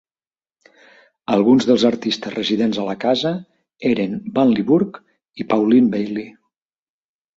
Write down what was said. Alguns dels artistes residents a la casa eren Vanley Burke i Pauline Bailey.